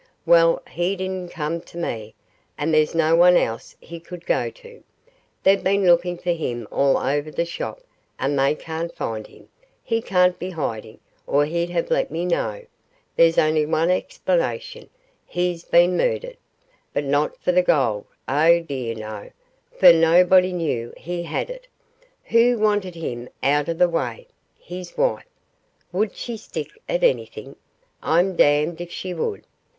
Well, he didn't come to me, and there's no one else he could go to. They've been looking for him all over the shop, and they can't find him; he can't be hiding or he'd have let me know; there's only one explanation he's been murdered but not for the gold oh, dear no for nobody knew he had it. Who wanted him out of the way? his wife. Would she stick at anything? I'm damned if she would.